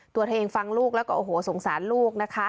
ตัวเองฟังลูกแล้วก็โอ้โหสงสารลูกนะคะ